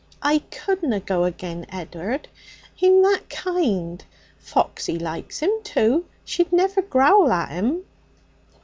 'I couldna go agen Ed'ard! He'm that kind. Foxy likes him, too; she'd ne'er growl at 'im.'